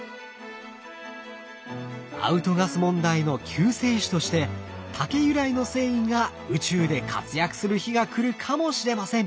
アウトガス問題の救世主として竹由来の繊維が宇宙で活躍する日が来るかもしれません。